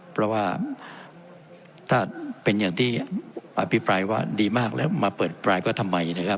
เพราะว่าถ้าเป็นอย่างที่อภิปรายว่าดีมากแล้วมาเปิดปลายก็ทำไมนะครับ